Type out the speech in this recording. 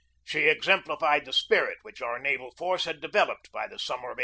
She exemplified the spirit which our naval force had developed by the summer of 1864.